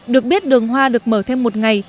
được biết đường hoa được mở thêm một ngày